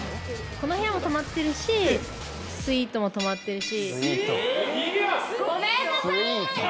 この部屋も泊まってるしスイートも泊まってるし。